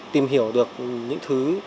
tìm hiểu được những thứ